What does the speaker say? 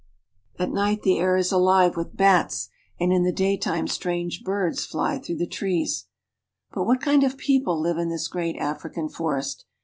At night the air is ahve with bats and in the daytime strange birds fly through the trees. ■^ But what kind of people live in this great African forest?